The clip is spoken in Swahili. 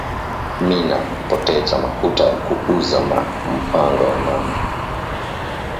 Mina potecha makuta ya ku uza ma mpango ya mama